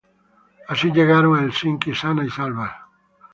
Así llegaron a Helsinki sanas y salvas.